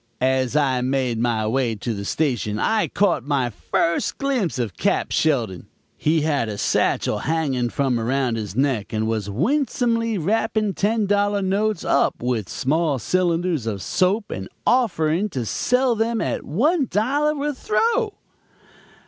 "As I made my way to the station I caught my first glimpse of Cap. Sheldon. He had a satchel hanging from around his neck and was winsomely wrapping ten dollar notes up with small cylinders of soap and offering to sell them at one dollar a throw.